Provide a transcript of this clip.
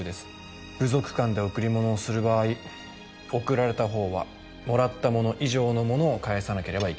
部族間で贈り物をする場合贈られた方はもらったもの以上のものを返さなければいけない。